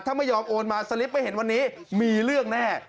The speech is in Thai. ถ้าไม่ยอมโอนมาสลิปไม่เห็นวันนี้มีเรื่องแน่